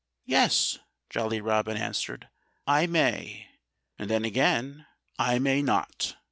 "Yes!" Jolly Robin answered. "I may and then again, I may not!"